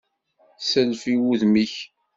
Sself i wudem-ik!